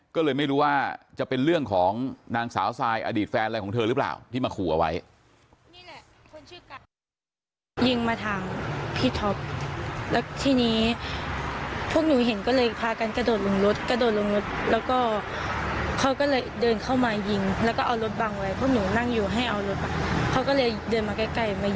ก็เลยไม่รู้ว่าจะเป็นเรื่องของนางสาวซายอดีตแฟนอะไรของเธอหรือเปล่า